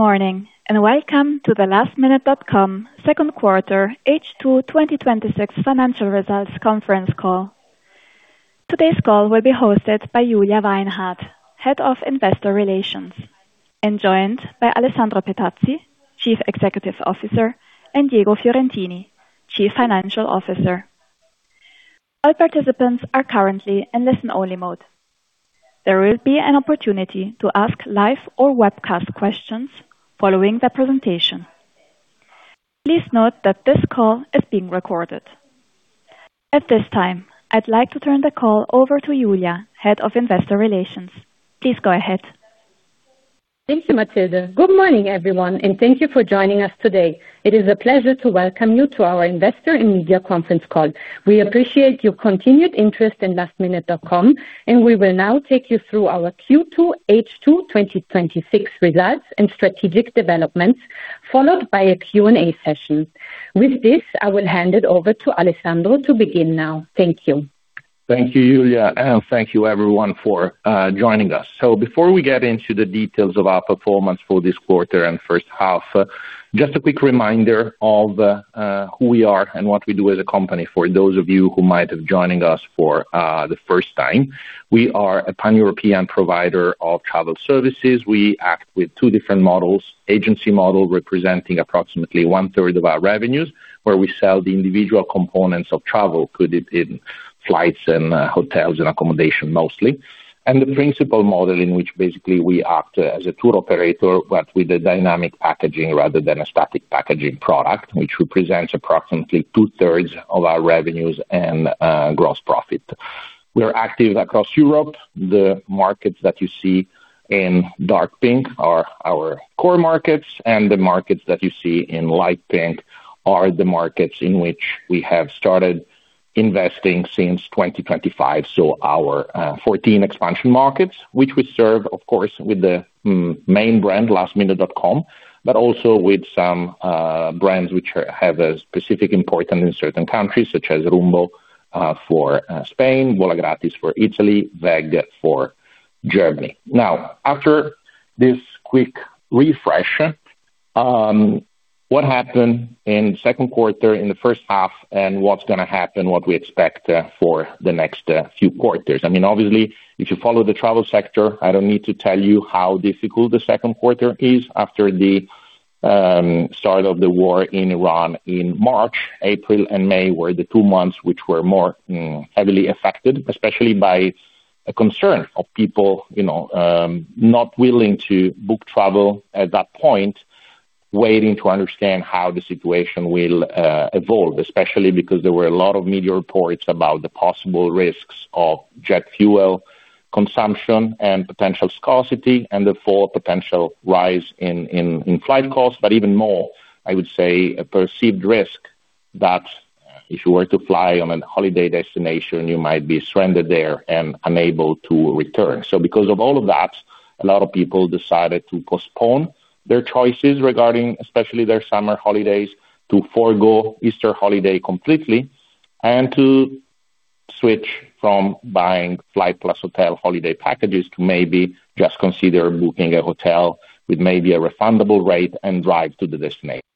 Good morning, and welcome to the lastminute.com second quarter H2 2026 financial results conference call. Today's call will be hosted by Julia Weinhart, Head of Investor Relations, and joined by Alessandro Petazzi, Chief Executive Officer, and Diego Fiorentini, Chief Financial Officer. All participants are currently in listen-only mode. There will be an opportunity to ask live or webcast questions following the presentation. Please note that this call is being recorded. At this time, I'd like to turn the call over to Julia, Head of Investor Relations. Please go ahead. Thank you, Matilda. Good morning, everyone, and thank you for joining us today. It is a pleasure to welcome you to our investor and media conference call. We appreciate your continued interest in lastminute.com, and we will now take you through our Q2 H2 2026 results and strategic developments, followed by a Q&A session. With this, I will hand it over to Alessandro to begin now. Thank you. Thank you, Julia, and thank you everyone for joining us. Before we get into the details of our performance for this quarter and first half, just a quick reminder of who we are and what we do as a company, for those of you who might have joined us for the first time. We are a pan-European provider of travel services. We act with two different models, agency model, representing approximately one-third of our revenues, where we sell the individual components of travel, could it be flights and hotels and accommodation mostly. And the principal model in which basically we act as a tour operator, but with a dynamic packaging rather than a static packaging product, which represents approximately two-thirds of our revenues and gross profit. We're active across Europe. The markets that you see in dark pink are our core markets, and the markets that you see in light pink are the markets in which we have started investing since 2025. Our 14 expansion markets, which we serve, of course, with the main brand, lastminute.com, but also with some brands which have a specific importance in certain countries, such as Rumbo for Spain, Volagratis for Italy, Weg for Germany. After this quick refresh, what happened in the second quarter, in the first half, and what's going to happen, what we expect for the next few quarters. Obviously, if you follow the travel sector, I don't need to tell you how difficult the second quarter is after the start of the war in Iran in March. April and May were the two months which were more heavily affected, especially by a concern of people not willing to book travel at that point, waiting to understand how the situation will evolve, especially because there were a lot of media reports about the possible risks of jet fuel consumption and potential scarcity, and therefore potential rise in flight costs. Even more, I would say, a perceived risk that if you were to fly on a holiday destination, you might be stranded there and unable to return. Because of all of that, a lot of people decided to postpone their choices regarding especially their summer holidays, to forego Easter holiday completely, and to switch from buying flight plus hotel holiday packages to maybe just consider booking a hotel with maybe a refundable rate and drive to the destination.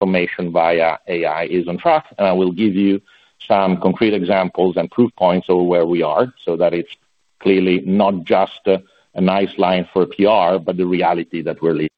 Information via AI is on track, I will give you some concrete examples and proof points of where we are so that it's clearly not just a nice line for PR, but the reality that we're living.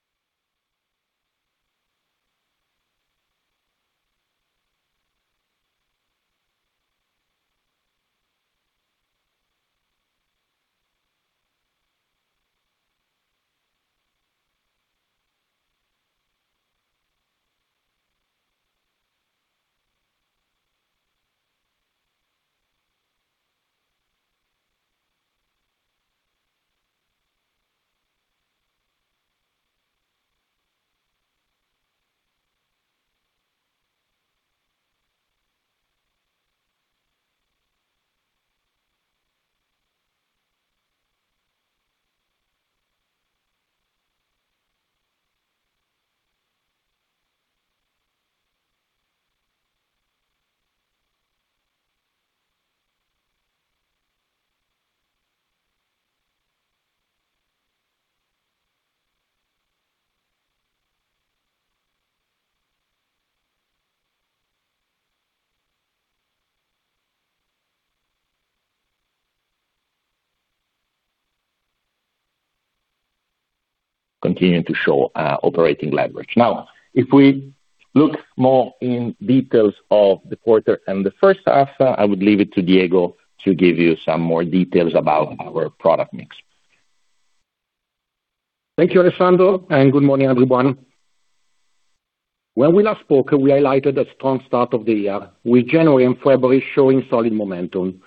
Continuing to show operating leverage. If we look more in details of the quarter and the first half, I would leave it to Diego to give you some more details about our product mix. Thank you, Alessandro, and good morning, everyone. When we last spoke, we highlighted a strong start of the year, with January and February showing solid momentum,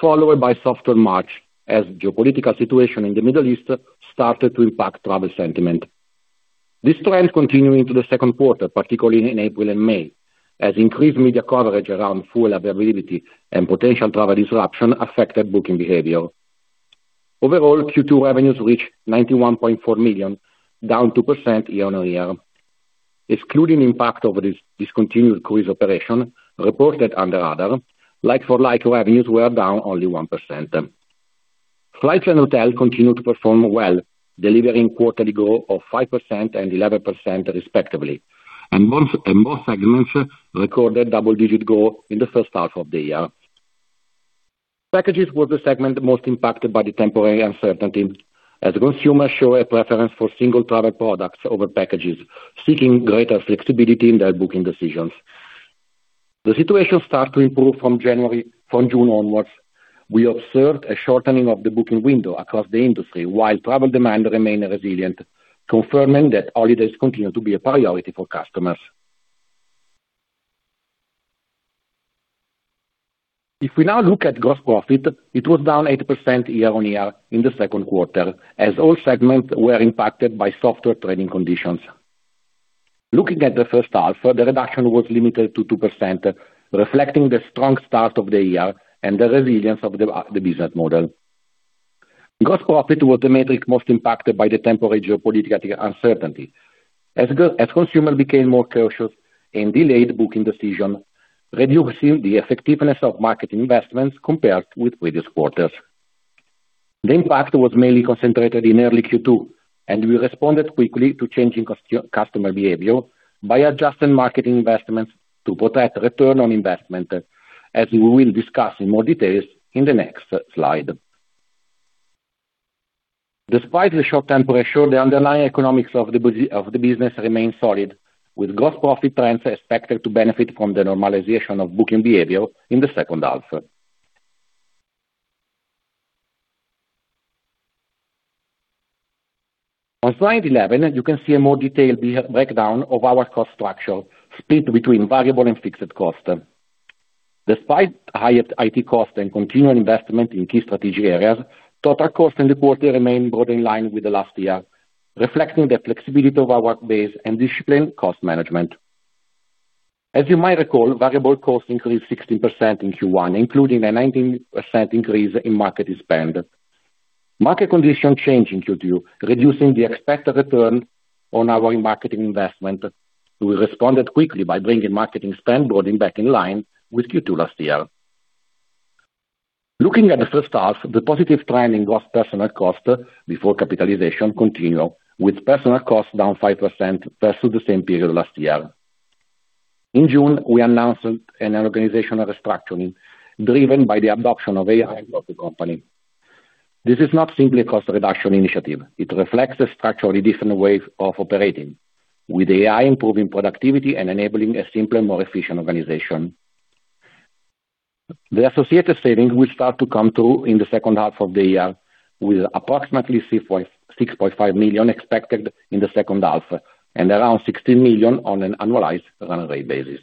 followed by softer March as geopolitical situation in the Middle East started to impact travel sentiment. This trend continued into the second quarter, particularly in April and May, as increased media coverage around full availability and potential travel disruption affected booking behavior. Overall, Q2 revenues reached 91.4 million, down 2% year-over-year. Excluding impact of this discontinued cruise operation reported under other, like-for-like revenues were down only 1%. Flights and hotel continued to perform well, delivering quarterly growth of 5% and 11% respectively, and more segments recorded double-digit growth in the first half of the year. Packages was the segment most impacted by the temporary uncertainty, as consumers show a preference for single travel products over packages, seeking greater flexibility in their booking decisions. The situation started to improve from June onwards. We observed a shortening of the booking window across the industry, while travel demand remained resilient, confirming that holidays continue to be a priority for customers. It was down 8% year-over-year in the second quarter, as all segments were impacted by softer trading conditions. Looking at the first half, the reduction was limited to 2%, reflecting the strong start of the year and the resilience of the business model. Gross profit was the metric most impacted by the temporary geopolitical uncertainty. Consumers became more cautious and delayed booking decisions, reducing the effectiveness of market investments compared with previous quarters. The impact was mainly concentrated in early Q2, we responded quickly to changing customer behavior by adjusting marketing investments to protect return on investment, as we will discuss in more details in the next slide. Despite the short-term pressure, the underlying economics of the business remain solid, with gross profit trends expected to benefit from the normalization of booking behavior in the second half. On Slide 11, you can see a more detailed breakdown of our cost structure, split between variable and fixed cost. Despite higher IT cost and continuing investment in key strategy areas, total cost in the quarter remained broadly in line with the last year, reflecting the flexibility of our base and discipline cost management. As you might recall, variable costs increased 16% in Q1, including a 19% increase in market spend. Market condition changed in Q2, reducing the expected return on our marketing investment. We responded quickly by bringing marketing spend broadly back in line with Q2 last year. Looking at the first half, the positive trend in gross personal cost before capitalization continue, with personal costs down 5% versus the same period last year. In June, we announced an organizational restructuring driven by the adoption of AI across the company. This is not simply a cost reduction initiative. It reflects the structurally different ways of operating, with AI improving productivity and enabling a simpler, more efficient organization. The associated saving will start to come through in the second half of the year, with approximately 6.5 million expected in the second half and around 16 million on an annualized run rate basis.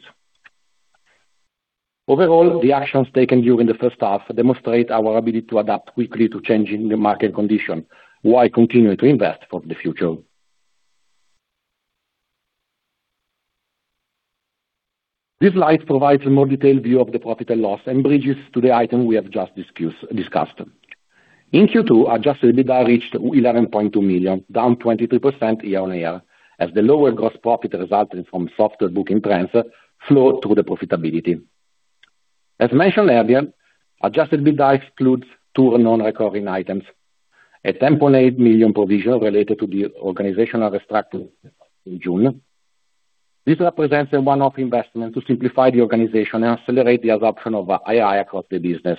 Overall, the actions taken during the first half demonstrate our ability to adapt quickly to changing the market condition, while continuing to invest for the future. This slide provides a more detailed view of the profit and loss, bridges to the item we have just discussed. In Q2, adjusted EBITDA reached 11.2 million, down 22% year-on-year, as the lower gross profit resulting from softer booking trends flow through the profitability. As mentioned earlier, adjusted EBITDA excludes two non-recurring items. A 10.8 million provision related to the organizational restructuring in June. This represents a one-off investment to simplify the organization and accelerate the adoption of AI across the business.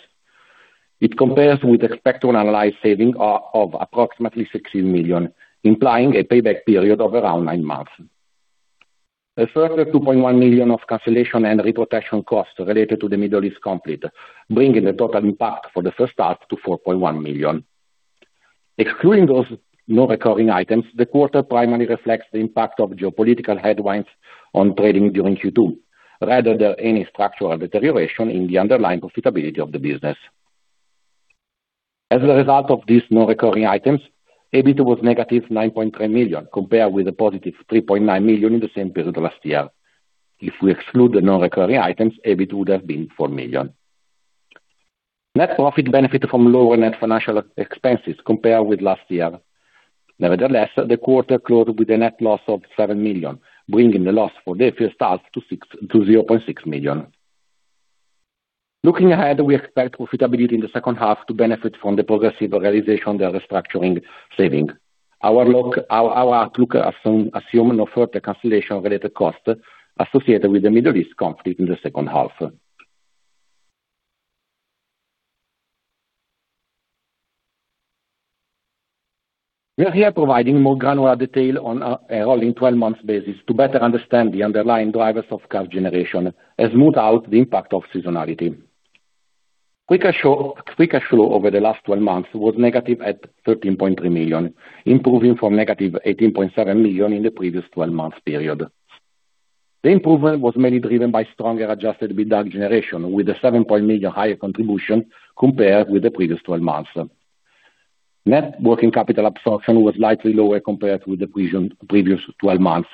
It compares with expected annualized saving of approximately 16 million, implying a payback period of around nine months. A further 2.1 million of cancellation and reprotection costs related to the Middle East conflict, bringing the total impact for the first half to 4.1 million. Excluding those non-recurring items, the quarter primarily reflects the impact of geopolitical headwinds on trading during Q2 rather than any structural deterioration in the underlying profitability of the business. As a result of these non-recurring items, EBIT was negative 9.3 million, compared with a positive 3.9 million in the same period last year. If we exclude the non-recurring items, EBIT would have been 4 million. Net profit benefited from lower net financial expenses compared with last year. Nevertheless, the quarter closed with a net loss of 7 million, bringing the loss for the first half to 0.6 million. Looking ahead, we expect profitability in the second half to benefit from the progressive realization of the restructuring saving. Our outlook assume no further cancellation-related cost associated with the Middle East conflict in the second half. We are here providing more granular detail on a rolling 12-month basis to better understand the underlying drivers of cash generation and smooth out the impact of seasonality. Free cash flow over the last 12 months was negative at 13.3 million, improving from negative 18.7 million in the previous 12-month period. The improvement was mainly driven by stronger adjusted EBITDA generation with a 7 million higher contribution compared with the previous 12 months. Net working capital absorption was slightly lower compared with the previous 12 months.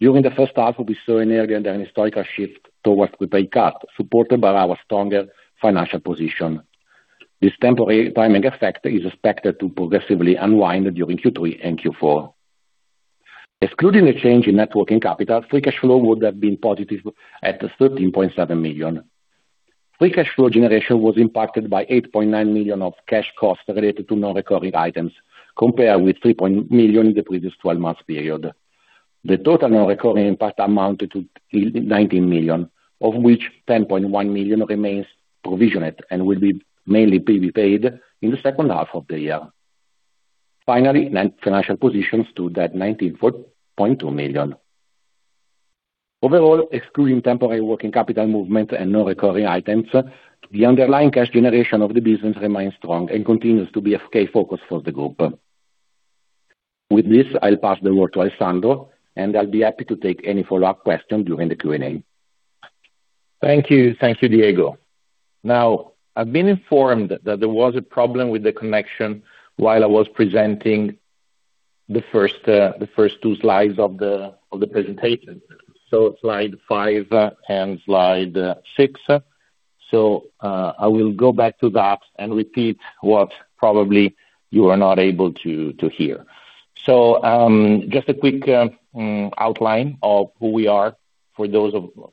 During the first half, we saw an area and a historical shift towards prepaid cash, supported by our stronger financial position. This temporary timing effect is expected to progressively unwind during Q3 and Q4. Excluding the change in net working capital, free cash flow would have been positive at 13.7 million. Free cash flow generation was impacted by 8.9 million of cash costs related to non-recurring items, compared with 3 million in the previous 12-month period. The total non-recurring impact amounted to 19 million, of which 10.1 million remains provisioned and will be mainly paid in the second half of the year. Finally, net financial positions stood at 19.2 million. Overall, excluding temporary working capital movement and non-recurring items, the underlying cash generation of the business remains strong and continues to be a key focus for the group. With this, I will pass the word to Alessandro, and I will be happy to take any follow-up questions during the Q&A. Thank you, Diego. I've been informed that there was a problem with the connection while I was presenting the first two slides of the presentation. Slide 5 and Slide 6. I will go back to that and repeat what probably you were not able to hear. Just a quick outline of who we are for those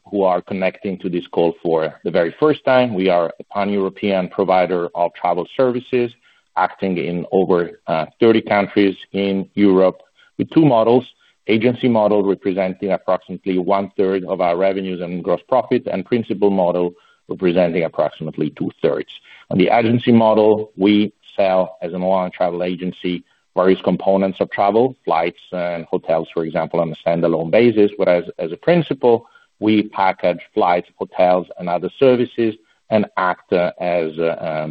who are connecting to this call for the very first time. We are a pan-European provider of travel services, acting in over 30 countries in Europe with two models: agency model representing approximately one-third of our revenues and gross profit, and principal model representing approximately two-thirds. On the agency model, we sell, as an online travel agency, various components of travel, flights and hotels, for example, on a standalone basis. Whereas as a principal, we package flights, hotels, and other services and act as,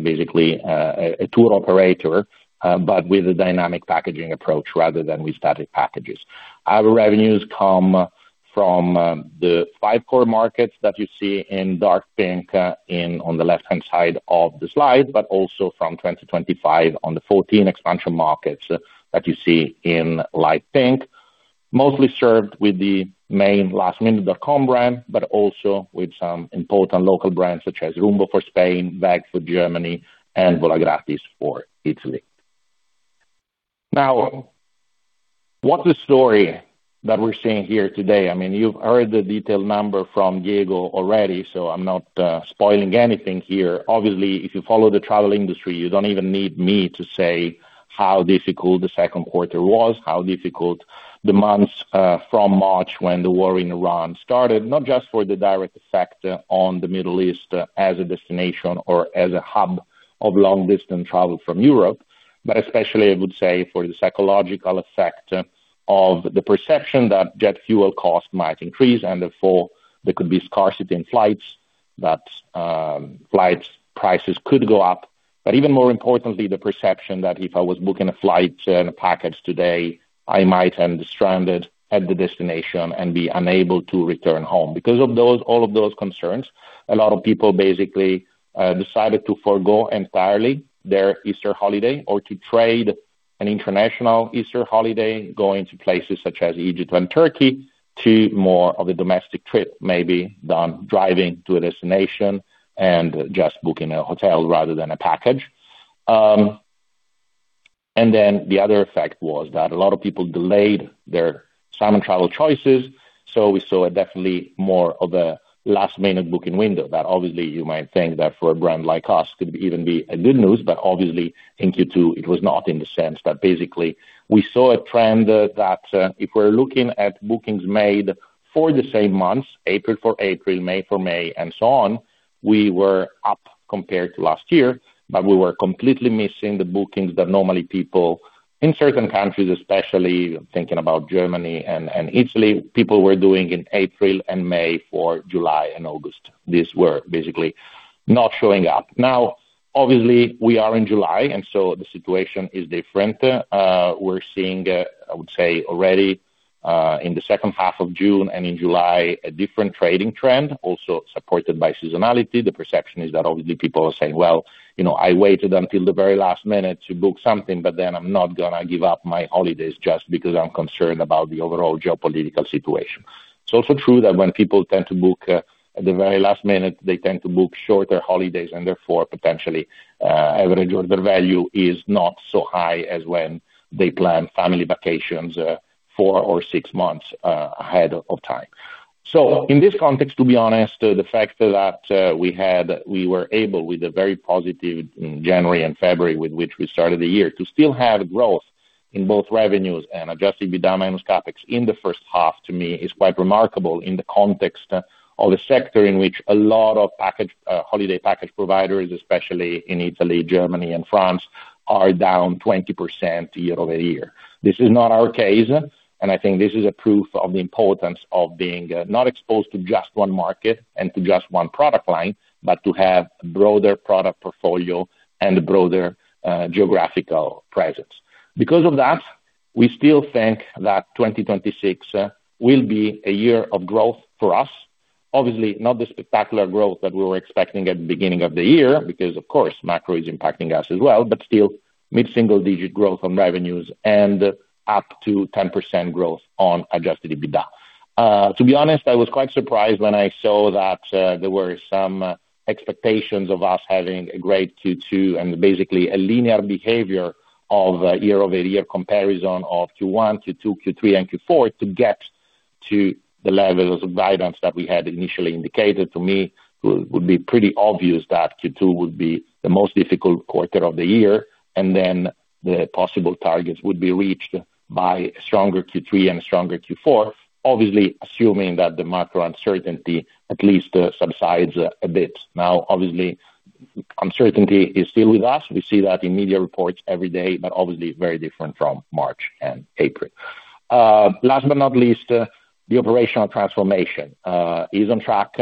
basically, a tour operator, but with a dynamic packaging approach rather than with static packages. Our revenues come from the five core markets that you see in dark pink on the left-hand side of the slide, but also from 2025 on the 14 expansion markets that you see in light pink, mostly served with the main lastminute.com brand, but also with some important local brands such as Rumbo for Spain, weg.de for Germany, and Volagratis for Italy. What's the story that we are seeing here today? You've heard the detailed number from Diego already, I'm not spoiling anything here. If you follow the travel industry, you don't even need me to say how difficult the second quarter was, how difficult the months from March when the war in Iran started, not just for the direct effect on the Middle East as a destination or as a hub of long-distance travel from Europe, but especially, I would say, for the psychological effect of the perception that jet fuel cost might increase, and therefore there could be scarcity in flights, that flight prices could go up. Even more importantly, the perception that if I was booking a flight and a package today, I might end stranded at the destination and be unable to return home. Because of all of those concerns, a lot of people basically decided to forgo entirely their Easter holiday or to trade an international Easter holiday, going to places such as Egypt and Turkey to more of a domestic trip, maybe done driving to a destination and just booking a hotel rather than a package. The other effect was that a lot of people delayed their summer travel choices. We saw definitely more of a last-minute booking window, that obviously you might think that for a brand like us could even be a good news. Obviously, in Q2, it was not in the sense that basically we saw a trend that if we're looking at bookings made for the same months, April for April, May for May, and so on, we were up compared to last year, but we were completely missing the bookings that normally people in certain countries, especially thinking about Germany and Italy, people were doing in April and May for July and August. These were basically not showing up. Obviously, we are in July, the situation is different. We're seeing, I would say, already, in the second half of June and in July, a different trading trend also supported by seasonality. The perception is that obviously people are saying, "Well, I waited until the very last minute to book something, but then I'm not going to give up my holidays just because I'm concerned about the overall geopolitical situation." It's also true that when people tend to book at the very last minute, they tend to book shorter holidays, and therefore, potentially, average order value is not so high as when they plan family vacations four or six months ahead of time. In this context, to be honest, the fact that we were able, with a very positive January and February, with which we started the year, to still have growth in both revenues and adjusted EBITDA and scope in the first half, to me, is quite remarkable in the context of a sector in which a lot of holiday package providers, especially in Italy, Germany, and France, are down 20% year-over-year. This is not our case, and I think this is proof of the importance of being not exposed to just one market and to just one product line, but to have a broader product portfolio and a broader geographical presence. Because of that, we still think that 2026 will be a year of growth for us. Obviously, not the spectacular growth that we were expecting at the beginning of the year, because of course, macro is impacting us as well, but still mid-single-digit growth on revenues and up to 10% growth on adjusted EBITDA. To be honest, I was quite surprised when I saw that there were some expectations of us having a great Q2 and basically a linear behavior of year-over-year comparison of Q1, Q2, Q3, and Q4 to get to the levels of guidance that we had initially indicated. To me, it would be pretty obvious that Q2 would be the most difficult quarter of the year, and then the possible targets would be reached by a stronger Q3 and a stronger Q4. Obviously, assuming that the macro uncertainty at least subsides a bit. Obviously, uncertainty is still with us. We see that in media reports every day, obviously very different from March and April. Last but not least, the operational transformation is on track.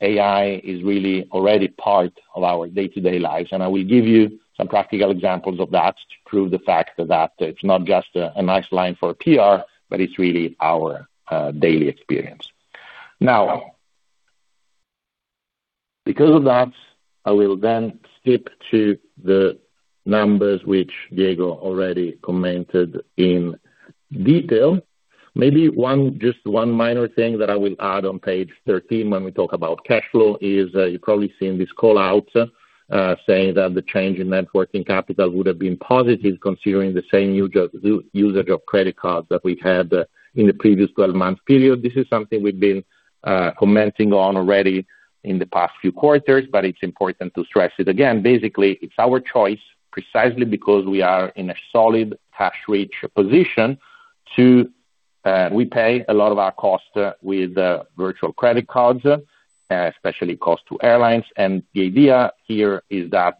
AI is really already part of our day-to-day lives, and I will give you some practical examples of that to prove the fact that it's not just a nice line for PR, but it's really our daily experience. Because of that, I will then skip to the numbers which Diego already commented on in detail. Maybe just one minor thing that I will add on page 13 when we talk about cash flow is you've probably seen this call-out, saying that the change in net working capital would have been positive considering the same usage of credit cards that we had in the previous 12-month period. This is something we've been commenting on already in the past few quarters, it's important to stress it again. Basically, it's our choice precisely because we are in a solid cash-rich position. We pay a lot of our costs with virtual credit cards, especially cost to airlines. The idea here is that,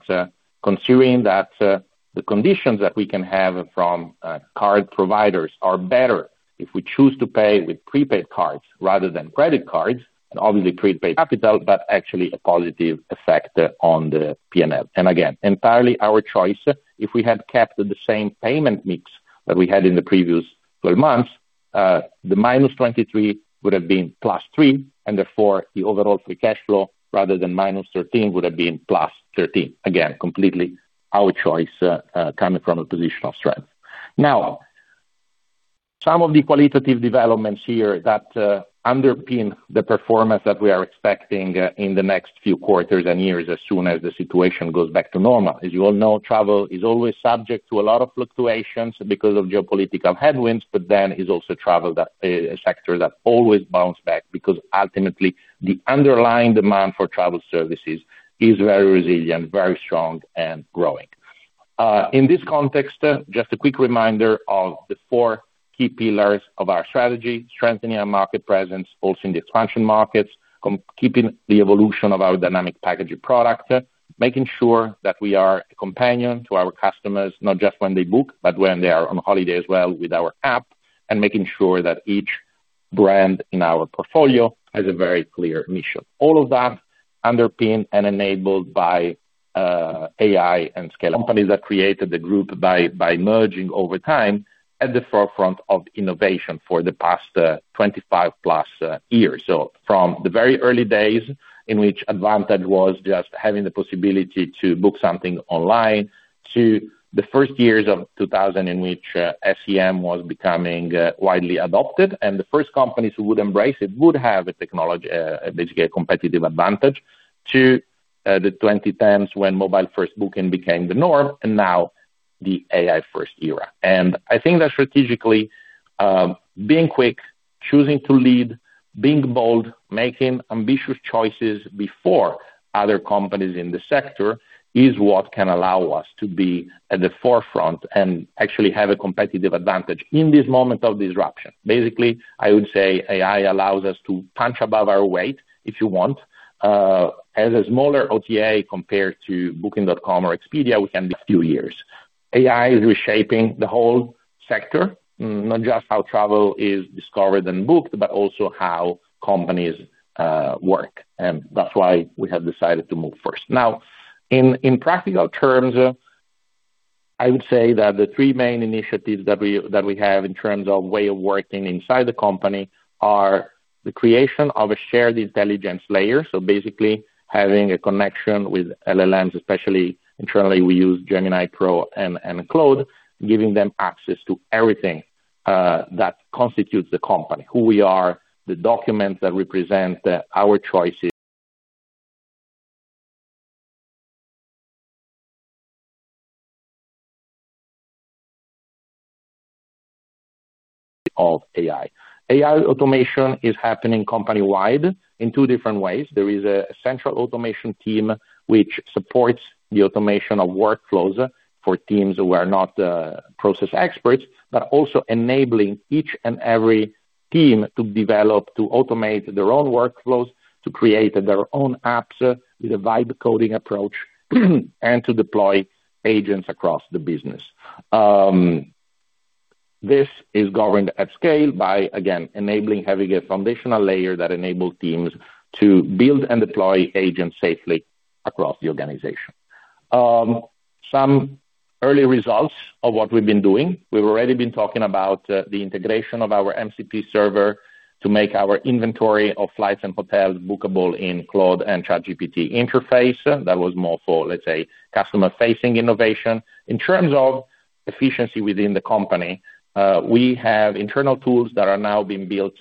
considering that the conditions that we can have from card providers are better if we choose to pay with prepaid cards rather than credit cards, and obviously prepaid capital, but actually a positive effect on the P&L. Again, entirely our choice. If we had kept the same payment mix that we had in the previous 12 months, the minus 23 would have been plus 3, and therefore the overall free cash flow, rather than minus 13, would have been plus 13. Again, completely our choice, coming from a position of strength. Some of the qualitative developments here that underpin the performance that we are expecting in the next few quarters and years as soon as the situation goes back to normal. As you all know, travel is always subject to a lot of fluctuations because of geopolitical headwinds, it's also travel, a sector that always bounces back, because ultimately, the underlying demand for travel services is very resilient, very strong, and growing. In this context, just a quick reminder of the four key pillars of our strategy, strengthening our market presence, both in the expansion markets, keeping the evolution of our dynamic packaging product, making sure that we are a companion to our customers, not just when they book, but when they are on holiday as well with our app, making sure that each brand in our portfolio has a very clear mission. All of that underpinned and enabled by AI and scale. Companies that created the group by merging over time at the forefront of innovation for the past 25-plus years. From the very early days in which advantage was just having the possibility to book something online to the first years of 2000, in which SEM was becoming widely adopted, the first companies who would embrace it would have a technology, basically a competitive advantage, to the 2010s when mobile-first booking became the norm, now the AI-first era. I think that strategically, being quick, choosing to lead, being bold, making ambitious choices before other companies in the sector is what can allow us to be at the forefront and actually have a competitive advantage in this moment of disruption. I would say AI allows us to punch above our weight, if you want. As a smaller OTA compared to Booking.com or Expedia, we can be a few years. AI is reshaping the whole sector, not just how travel is discovered and booked, also how companies work, that's why we have decided to move first. In practical terms, I would say that the three main initiatives that we have in terms of way of working inside the company are the creation of a shared intelligence layer. Having a connection with LLMs, especially internally, we use Gemini Pro and Claude, giving them access to everything that constitutes the company, who we are, the documents that represent our choices. AI automation is happening company-wide in two different ways. There is a central automation team which supports the automation of workflows for teams who are not process experts, also enabling each and every team to develop, to automate their own workflows, to create their own apps with a vibe-coding approach to deploy agents across the business. This is governed at scale by, again, enabling having a foundational layer that enables teams to build and deploy agents safely across the organization. Some early results of what we've been doing. We've already been talking about the integration of our MCP server to make our inventory of flights and hotels bookable in Claude and ChatGPT interface. That was more for, let's say, customer-facing innovation. In terms of efficiency within the company, we have internal tools that are now being built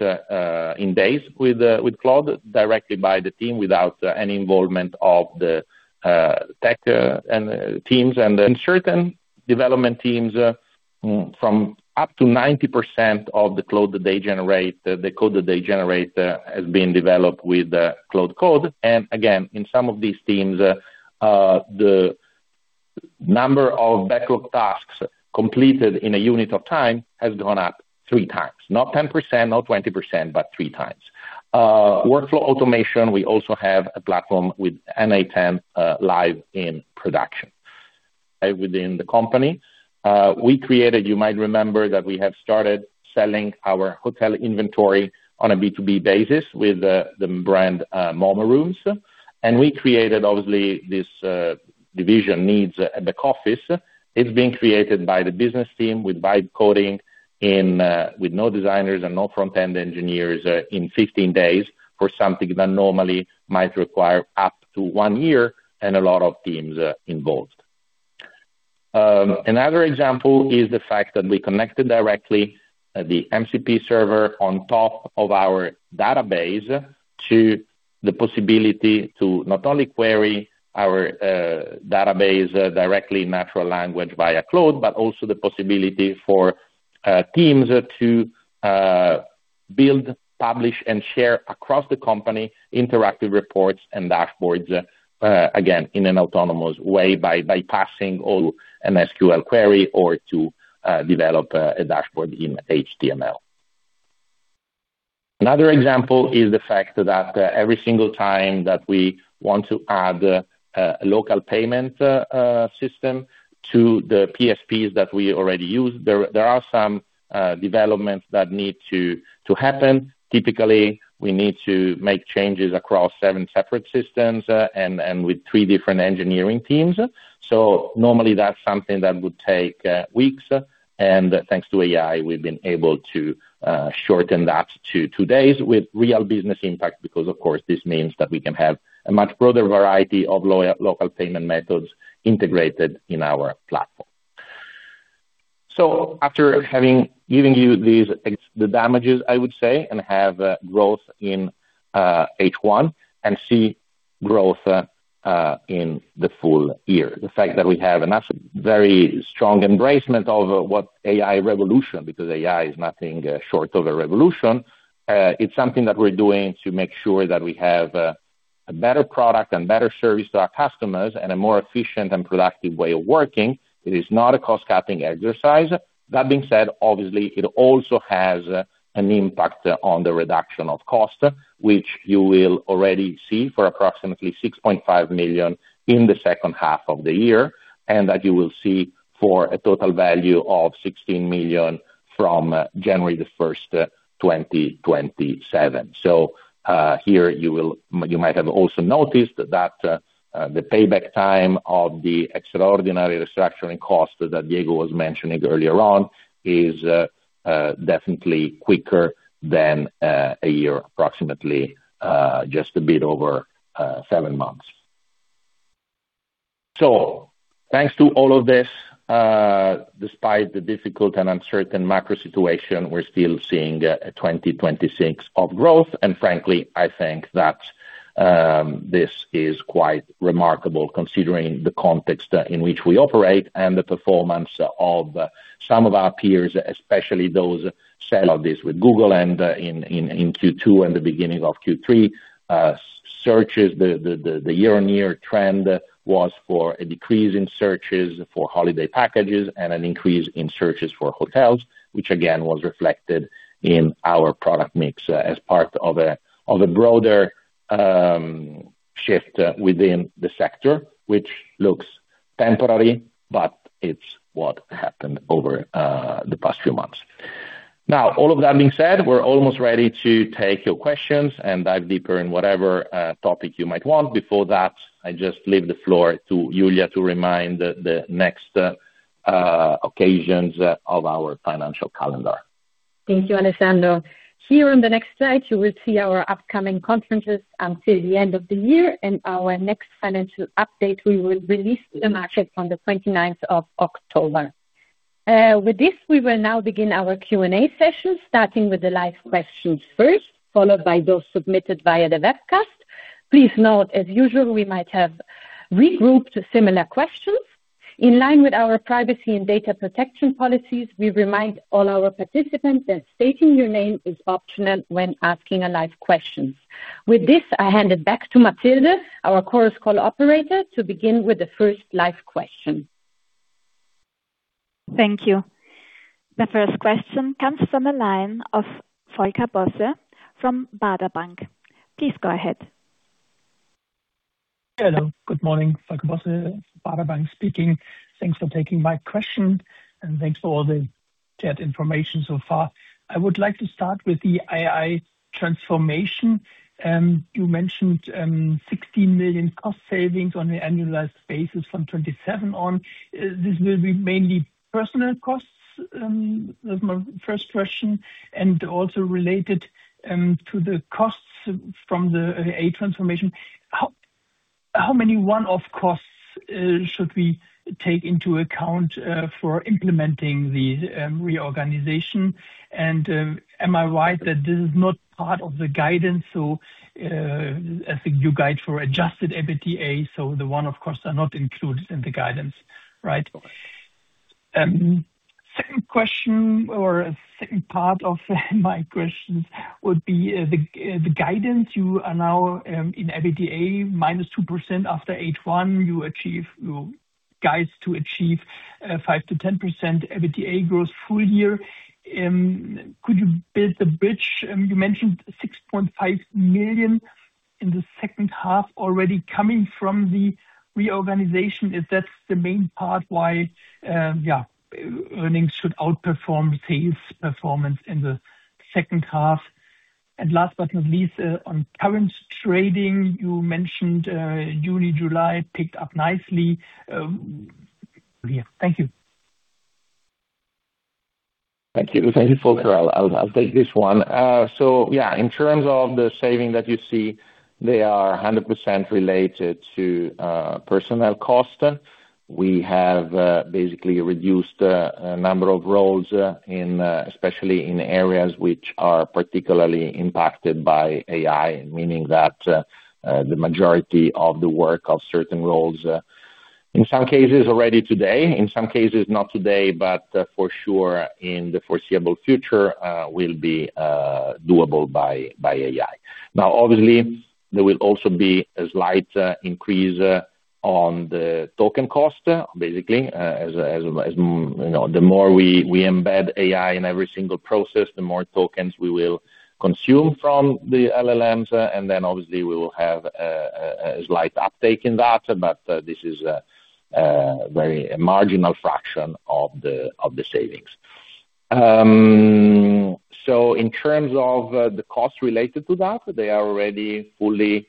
in days with Claude directly by the team, without any involvement of the tech and teams. In certain development teams, up to 90% of the code that they generate has been developed with Claude Code. Again, in some of these teams, the number of backlog tasks completed in a unit of time has gone up three times. Not 10%, not 20%, but three times. Workflow automation, we also have a platform with n8n live in production within the company. We created; you might remember that we have started selling our hotel inventory on a B2B basis with the brand Momma Rooms. We created obviously this division Needs at the office. It's been created by the business team with vibe coding with no designers and no front-end engineers in 15 days for something that normally might require up to one year and a lot of teams involved. Another example is the fact that we connected directly the MCP server on top of our database to the possibility to not only query our database directly in natural language via Claude, but also the possibility for teams to build, publish, and share across the company interactive reports and dashboards, again, in an autonomous way by bypassing an SQL query or to develop a dashboard in HTML. Another example is the fact that every single time that we want to add a local payment system to the PSPs that we already use, there are some developments that need to happen. Typically, we need to make changes across seven separate systems and with three different engineering teams. Normally that's something that would take weeks, and thanks to AI, we've been able to shorten that to two days with real business impact because of course this means that we can have a much broader variety of local payment methods integrated in our platform. After having given you these, the advantages, I would say and have growth in H1 and see growth in the full year. The fact that we have a very strong embracement of what AI revolution, because AI is nothing short of a revolution. It's something that we're doing to make sure that we have a better product and better service to our customers and a more efficient and productive way of working. It is not a cost-cutting exercise. That being said, obviously it also has an impact on the reduction of cost, which you will already see for approximately 6.5 million in the second half of the year. That you will see for a total value of 16 million from January 1st, 2027. Here you might have also noticed that the payback time of the extraordinary restructuring cost that Diego was mentioning earlier on is definitely quicker than a year, approximately just a bit over seven months. Thanks to all of this, despite the difficult and uncertain macro situation, we're still seeing a 2026 of growth, and frankly, I think that this is quite remarkable considering the context in which we operate and the performance of some of our peers, especially those sell all this with Google and in Q2 and the beginning of Q3. Searches, the year-on-year trend was for a decrease in searches for holiday packages and an increase in searches for hotels, which again was reflected in our product mix as part of a broader shift within the sector, which looks temporary, but it's what happened over the past few months. All of that being said, we're almost ready to take your questions and dive deeper in whatever topic you might want. Before that, I just leave the floor to Julia to remind the next occasions of our financial calendar. Thank you, Alessandro. Here on the next slide, you will see our upcoming conferences until the end of the year and our next financial update we will release to the market on the 29th of October. With this, we will now begin our Q&A session, starting with the live questions first, followed by those submitted via the webcast. Please note, as usual, we might have regrouped similar questions. In line with our privacy and data protection policies, we remind all our participants that stating your name is optional when asking a live question. With this, I hand it back to Matilde, our Chorus Call operator, to begin with the first live question. Thank you. The first question comes from the line of Volker Bosse from Baader Bank. Please go ahead. Hello. Good morning. Volker Bosse, Baader Bank speaking. Thanks for taking my question, thanks for all the shared information so far. I would like to start with the AI transformation. You mentioned 16 million cost savings on the annualized basis from 2027 on. This will be mainly personal costs? That's my first question. Also related to the costs from the AI transformation, how many one-off costs should we take into account for implementing the reorganization? Am I right that this is not part of the guidance? I think you guide for adjusted EBITDA, so the one-off costs are not included in the guidance, right? Second question, or second part of my questions would be the guidance. You are now in EBITDA minus 2% after H1. You guide to achieve 5%-10% EBITDA growth full year. Could you build the bridge? You mentioned 6.5 million in the second half already coming from the reorganization. If that's the main part, why earnings should outperform sales performance in the second half. Last but not least, on current trading, you mentioned July picked up nicely. Thank you. Thank you, Volker. I'll take this one. Yeah, in terms of the saving that you see, they are 100% related to personnel cost. We have basically reduced a number of roles, especially in areas which are particularly impacted by AI, meaning that the majority of the work of certain roles, in some cases already today, in some cases not today, but for sure in the foreseeable future, will be doable by AI. Now, obviously, there will also be a slight increase on the token cost, basically. The more we embed AI in every single process, the more tokens we will consume from the LLMs, then obviously we will have a slight uptake in that, but this is a very marginal fraction of the savings. In terms of the cost related to that, they are already fully.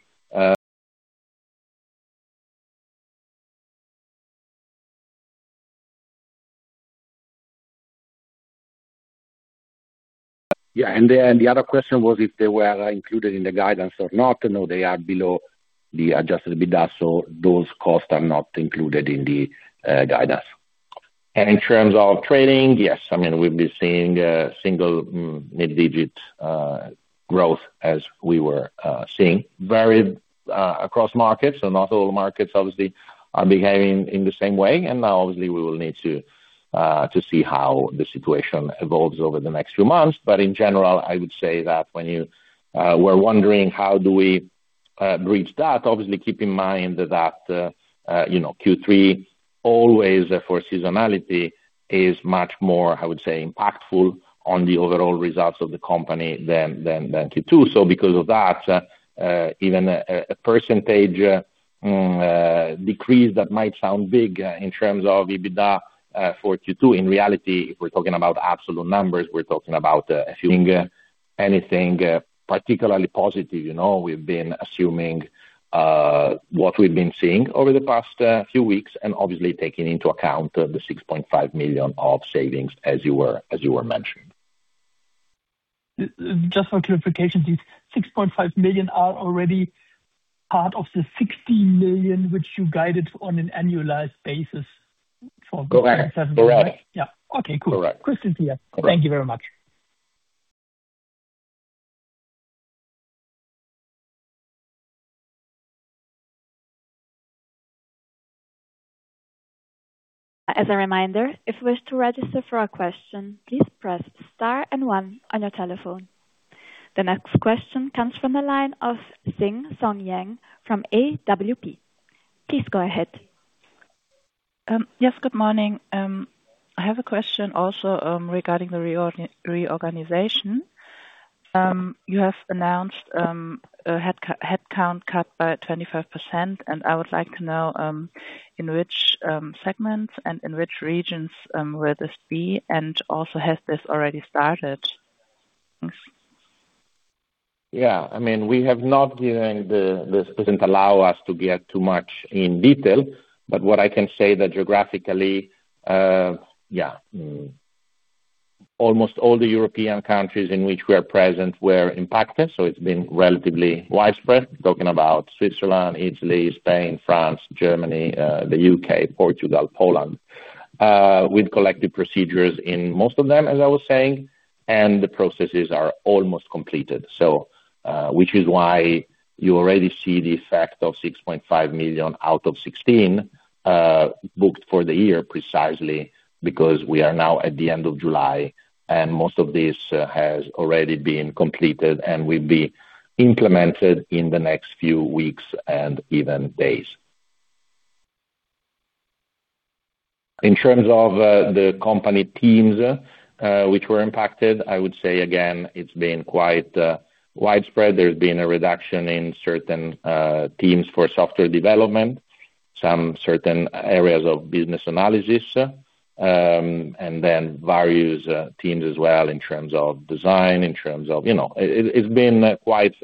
The other question was if they were included in the guidance or not. No, they are below the adjusted EBITDA, those costs are not included in the guidance. In terms of trading, yes, we'll be seeing single mid-digit growth as we were seeing varied across markets. Not all markets obviously are behaving in the same way. Now obviously we will need to see how the situation evolves over the next few months. In general, I would say that when you were wondering how do we reach that, obviously keep in mind that Q3 always for seasonality is much more, I would say, impactful on the overall results of the company than Q2. Because of that, even a percentage decrease that might sound big in terms of EBITDA for Q2, in reality, if we're talking about absolute numbers, we're talking about assuming anything particularly positive. We've been assuming what we've been seeing over the past few weeks, obviously taking into account the 6.5 million of savings as you were mentioning. Just for clarification, these 6.5 million are already part of the 16 million which you guided on an annualized basis. Correct. Yeah. Okay, cool. Correct. Thank you very much. As a reminder, if you wish to register for a question, please press star and one on your telephone. The next question comes from the line of Xing Songyang from AWP. Please go ahead. Yes, good morning. I have a question also regarding the reorganization. You have announced a headcount cut by 25%, I would like to know in which segments and in which regions will this be, has this already started? Thanks. This doesn't allow us to get too much in detail, but what I can say that geographically, almost all the European countries in which we are present were impacted, so it's been relatively widespread. Talking about Switzerland, Italy, Spain, France, Germany, the U.K., Portugal, Poland. We'd collected procedures in most of them, as I was saying, and the processes are almost completed. Which is why you already see the effect of 6.5 million out of 16 booked for the year, precisely because we are now at the end of July and most of this has already been completed and will be implemented in the next few weeks and even days. In terms of the company teams which were impacted, I would say again, it's been quite widespread. There's been a reduction in certain teams for software development, some certain areas of business analysis, various teams as well in terms of design. It's been quite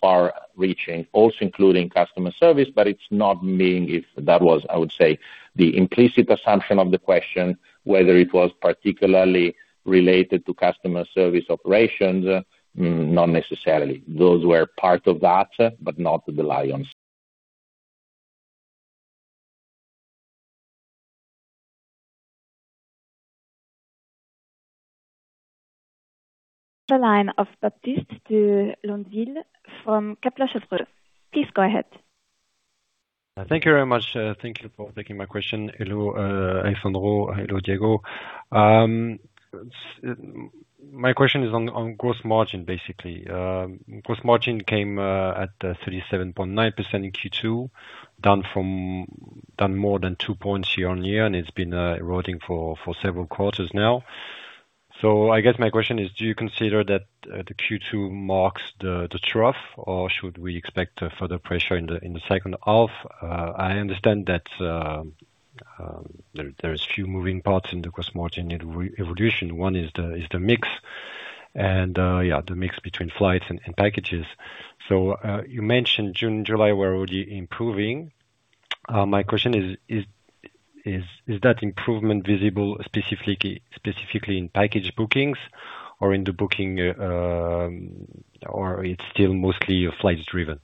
far-reaching, also including customer service, but it's not being, if that was, I would say, the implicit assumption of the question, whether it was particularly related to customer service operations, not necessarily. Those were part of that, but not the lion's share. The line of Baptiste de Leudeville from Kepler Cheuvreux. Please go ahead. Thank you very much. Thank you for taking my question. Hello, Alessandro. Hello, Diego. My question is on gross margin, basically. Gross margin came at 37.9% in Q2, down more than 2 points year-over-year, and it's been eroding for several quarters now. I guess my question is, do you consider that the Q2 marks the trough, or should we expect further pressure in the second half? I understand that there's few moving parts in the gross margin evolution. One is the mix between flights and packages. You mentioned June, July were already improving. My question is that improvement visible specifically in package bookings or it's still mostly flight-driven?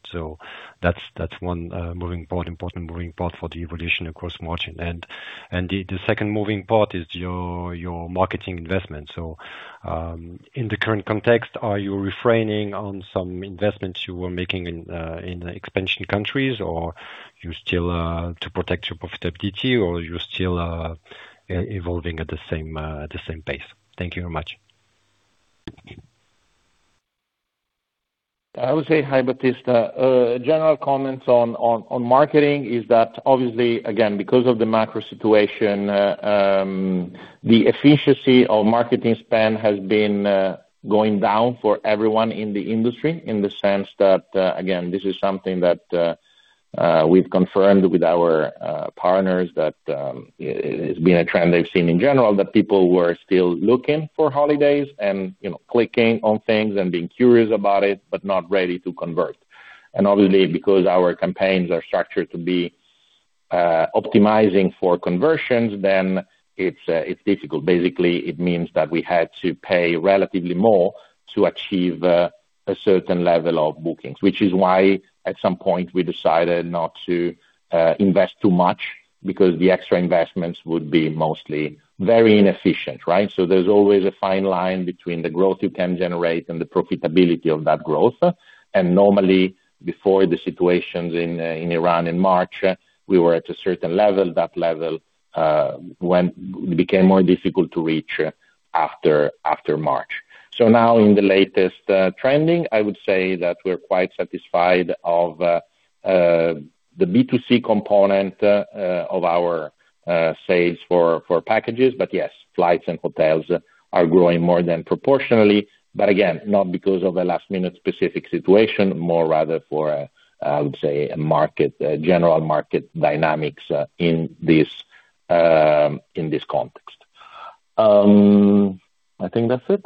That's one important moving part for the evolution of gross margin. The second moving part is your marketing investment. In the current context, are you refraining on some investments you were making in expansion countries to protect your profitability, or you're still evolving at the same pace? Thank you very much. I would say, hi Baptiste. General comments on marketing is that obviously, again, because of the macro situation, the efficiency of marketing spend has been going down for everyone in the industry in the sense that, again, this is something that we've confirmed with our partners, that it's been a trend they've seen in general, that people were still looking for holidays and clicking on things and being curious about it, but not ready to convert. Obviously, because our campaigns are structured to be optimizing for conversions, then it's difficult. Basically, it means that we had to pay relatively more to achieve a certain level of bookings, which is why at some point we decided not to invest too much because the extra investments would be mostly very inefficient, right? There's always a fine line between the growth you can generate and the profitability of that growth. Normally, before the situations in Iran in March, we were at a certain level. That level became more difficult to reach after March. Now in the latest trending, I would say that we're quite satisfied of the B2C component of our sales for packages. Yes, flights and hotels are growing more than proportionally. Again, not because of a last-minute specific situation, more rather for, I would say, general market dynamics in this context. I think that's it.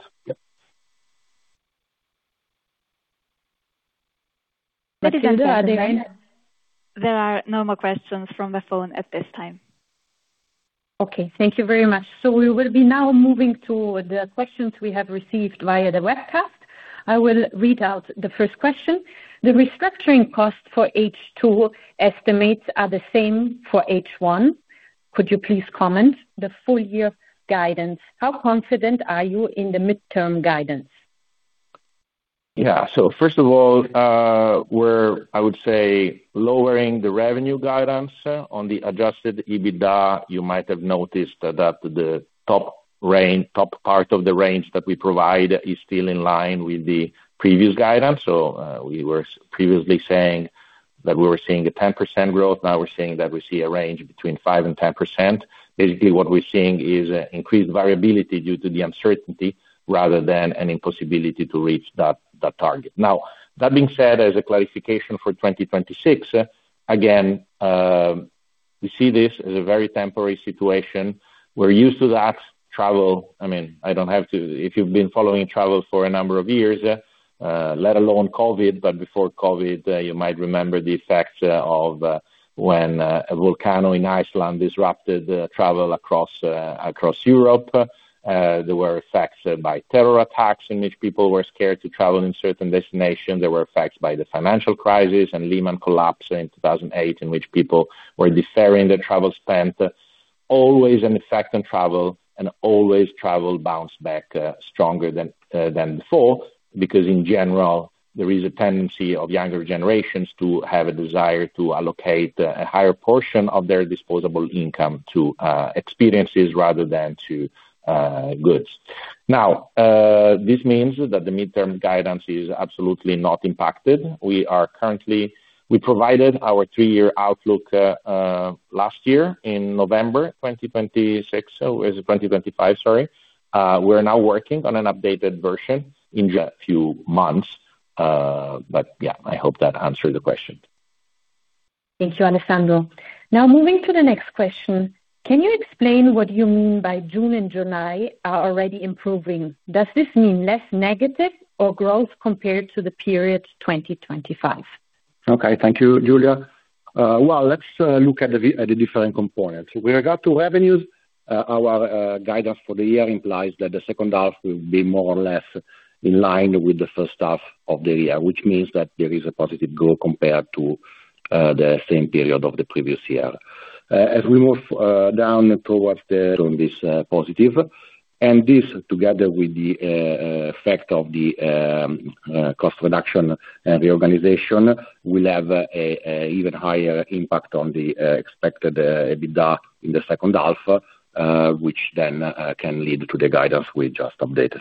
Yep. Alessandro, line? There are no more questions from the phone at this time. Okay, thank you very much. We will be now moving to the questions we have received via the webcast. I will read out the first question. The restructuring cost for H2 estimates are the same for H1. Could you please comment the full year guidance? How confident are you in the midterm guidance? Yeah. First of all, we're, I would say, lowering the revenue guidance on the adjusted EBITDA. You might have noticed that the top part of the range that we provide is still in line with the previous guidance. We were previously saying that we were seeing a 10% growth. Now we're saying that we see a range between 5% and 10%. Basically, what we're seeing is increased variability due to the uncertainty rather than an impossibility to reach that target. That being said, as a clarification for 2026, again, We see this as a very temporary situation. We're used to that travel. If you've been following travel for a number of years, let alone COVID, but before COVID, you might remember the effects of when a volcano in Iceland disrupted travel across Europe. There were effects by terror attacks in which people were scared to travel in certain destinations. There were effects by the financial crisis and Lehman collapse in 2008, in which people were deferring their travel spend. Always an effect on travel, and always travel bounce back stronger than before, because in general, there is a tendency of younger generations to have a desire to allocate a higher portion of their disposable income to experiences rather than to goods. Now, this means that the midterm guidance is absolutely not impacted. We provided our three-year outlook last year in November 2025. We're now working on an updated version in just few months. Yeah, I hope that answered the question. Thank you, Alessandro. Moving to the next question. Can you explain what you mean by June and July are already improving? Does this mean less negative or growth compared to the period 2025? Okay. Thank you, Julia. Well, let's look at the different components. With regard to revenues, our guidance for the year implies that the second half will be more or less in line with the first half of the year, which means that there is a positive growth compared to the same period of the previous year. As we move down, on this positive, and this together with the effect of the cost reduction and reorganization will have an even higher impact on the expected EBITDA in the second half, which can lead to the guidance we just updated.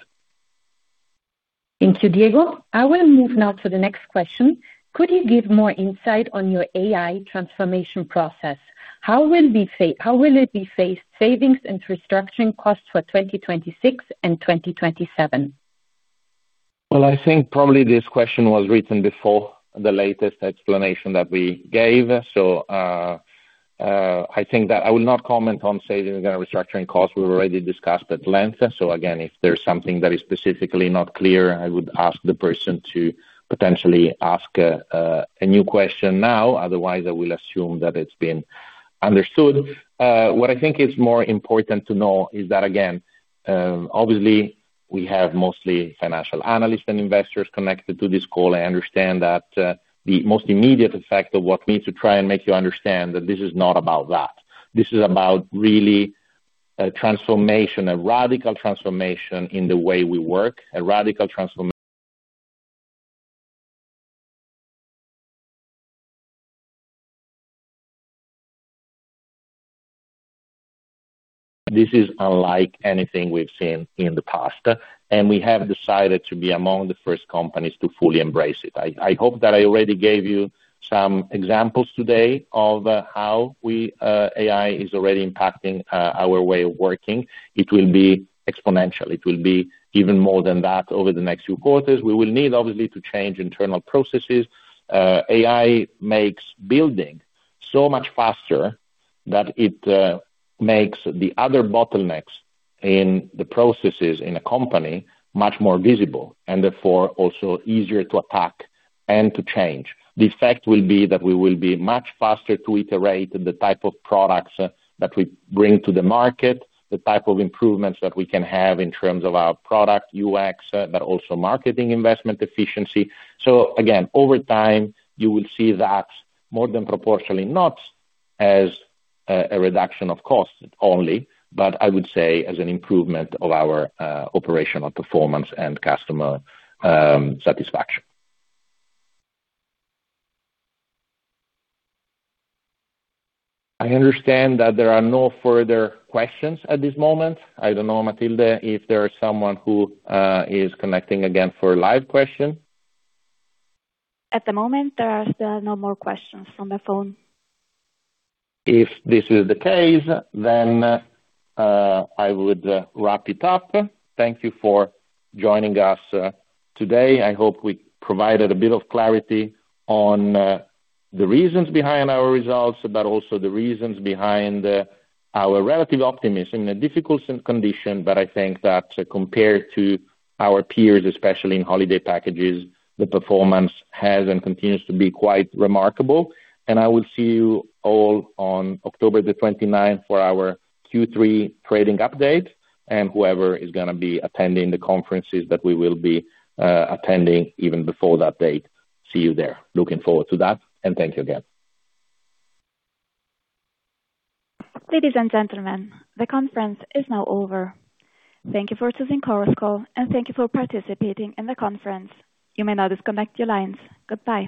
Thank you, Diego. I will move now to the next question. Could you give more insight on your AI transformation process? How will it be phased savings and restructuring costs for 2026 and 2027? Well, I think probably this question was written before the latest explanation that we gave. I think that I will not comment on savings and restructuring costs. We have already discussed at length. Again, if there is something that is specifically not clear, I would ask the person to potentially ask a new question now. Otherwise, I will assume that it has been understood. What I think is more important to know is that, again, obviously we have mostly financial analysts and investors connected to this call. I understand that the most immediate effect of what we need to try and make you understand that this is not about that. This is about really a transformation, a radical transformation in the way we work. This is unlike anything we have seen in the past, and we have decided to be among the first companies to fully embrace it. I hope that I already gave you some examples today of how AI is already impacting our way of working. It will be exponential. It will be even more than that over the next few quarters. We will need obviously to change internal processes. AI makes building so much faster that it makes the other bottlenecks in the processes in a company much more visible and therefore also easier to attack and to change. The effect will be that we will be much faster to iterate the type of products that we bring to the market, the type of improvements that we can have in terms of our product UX but also marketing investment efficiency. Again, over time, you will see that more than proportionally not as a reduction of costs only, but I would say as an improvement of our operational performance and customer satisfaction. I understand that there are no further questions at this moment. I do not know, Matilda, if there is someone who is connecting again for a live question. At the moment, there are still no more questions on the phone. If this is the case, I would wrap it up. Thank you for joining us today. I hope we provided a bit of clarity on the reasons behind our results, also the reasons behind our relative optimism in a difficult condition. I think that compared to our peers, especially in holiday packages, the performance has and continues to be quite remarkable. I will see you all on October the 29th for our Q3 trading update, and whoever is going to be attending the conferences that we will be attending even before that date. See you there. Looking forward to that. Thank you again. Ladies and gentlemen, the conference is now over. Thank you for attending Chorus Call and thank you for participating in the conference. You may now disconnect your lines. Goodbye